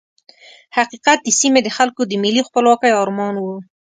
حقیقت د سیمې د خلکو د ملي خپلواکۍ ارمان وو.